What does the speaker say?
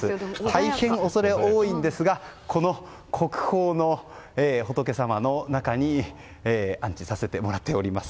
大変恐れ多いんですがこの国宝の仏様の中に安置させていただいております。